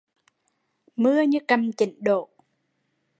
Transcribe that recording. Mưa như cầm chỉnh đổ